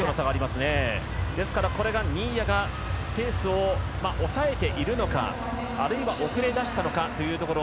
ですから、新谷がペースを抑えているのかあるいは遅れ出したのかというところ。